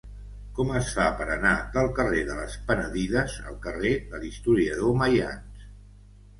Com es fa per anar del carrer de les Penedides al carrer de l'Historiador Maians?